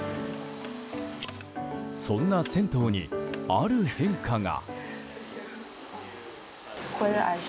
そんな銭湯に、ある変化が。